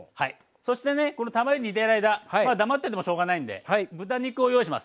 そしてねこのたまねぎ煮てる間黙っててもしょうがないんで豚肉を用意します。